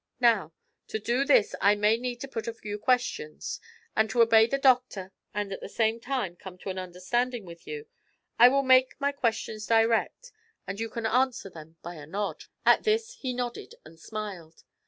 Now, to do this I may need to put a few questions; and to obey the doctor and at the same time come to an understanding with you, I will make my questions direct, and you can answer them by a nod.' At this he nodded and smiled.